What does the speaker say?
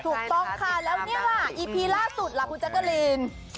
ถูกต้องค่ะแล้วนี่แหละอีพีล่าสุดล่ะคุณแจ๊กกะลีน